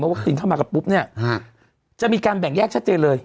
เมื่อวัคซีนเข้ามากับปุ๊บเนี่ยจะมีการแบ่งแยกชัดเจนเลย